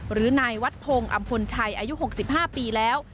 หรือนายวัดพงศ์อำพลชัยอายุ๖๕ปีแล้ว